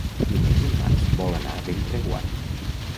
Diumenge en Max vol anar a Bellreguard.